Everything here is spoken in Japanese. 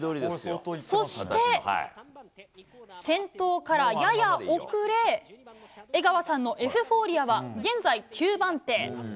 そして、先頭からやや遅れ江川さんのエフフォーリアは現在９番手。